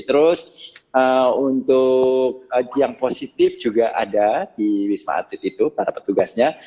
terus untuk yang positif juga ada di wisma atlet itu para petugasnya